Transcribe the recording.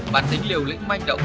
bản tính liều lĩnh manh động